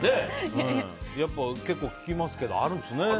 結構聞きますけどあるんですね。